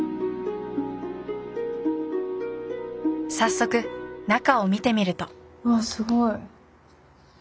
早速中を見てみるとわあすごい。